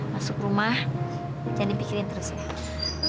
masuk rumah jangan dipikirin terus ya